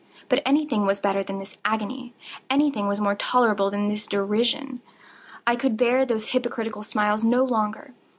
But anything was better than this agony! Anything was more tolerable than this derision! I could bear those hypocritical smiles no longer!